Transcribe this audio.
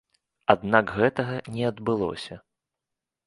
Аднак гэтага не адбылося.